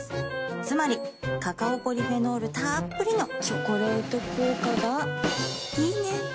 つまりカカオポリフェノールたっぷりの「チョコレート効果」がいいね。